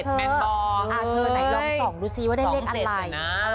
เธอไหนลองส่องดูซิว่าได้เลขอะไร